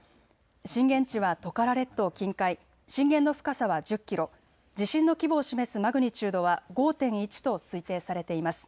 震源地はトカラ列島近海、震源の深さは１０キロ、地震の規模を示すマグニチュードは５．１と推定されています。